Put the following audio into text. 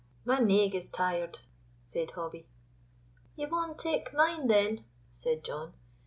"My naig is tired," said Hobbie. "Ye may take mine, then," said John.